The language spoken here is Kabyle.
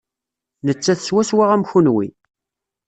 Nettat swaswa am kenwi.